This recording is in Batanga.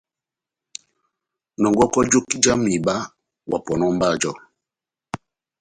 Nɔngɔkɔ joki jáh mihiba wa pɔnɔ mba jɔ.